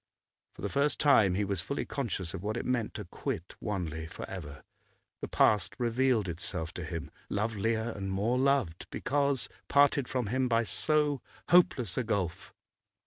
For the first time he was fully conscious of what it meant to quit Wanley for ever; the past revealed itself to him, lovelier and more loved because parted from him by so hopeless a gulf.